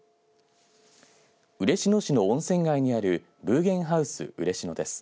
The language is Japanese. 嬉野市の温泉街にあるブーゲンハウス嬉野です。